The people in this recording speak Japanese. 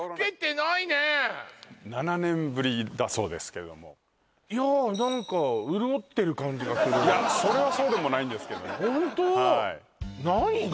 ７年ぶりだそうですけれどもいやあ何か潤ってる感じがするそれはそうでもないんですけどねホント？